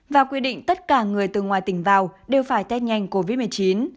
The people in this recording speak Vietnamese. và quy định tất cả người từ ngoài tỉnh vào đều phải test nhanh covid một mươi chín